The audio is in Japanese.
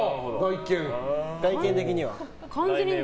外見的には。